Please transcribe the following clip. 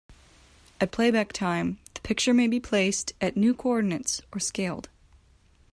At playback time the picture may be placed at new coordinates or scaled.